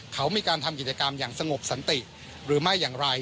เขามีการทำกิจกรรมอย่างสงบสันติหรือไม่อย่างไร